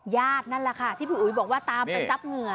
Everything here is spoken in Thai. ญาตินั่นแหละค่ะที่พี่อุ๊ยบอกว่าตามไปทรัพย์เหงื่อ